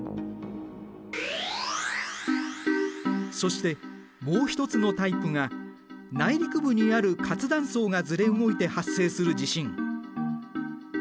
そしてもう一つのタイプが内陸部にある活断層がずれ動いて発生する地震。